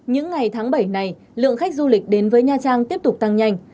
những ngày tháng bảy này lượng khách du lịch đến với nha trang tiếp tục tăng nhanh